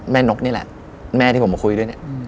นกนี่แหละแม่ที่ผมมาคุยด้วยเนี่ย